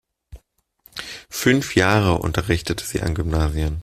Fünf Jahre unterrichtete sie an Gymnasien.